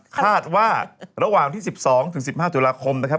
คาดว่าระหว่างที่๑๒ถึง๑๕ตุลาคมนะครับ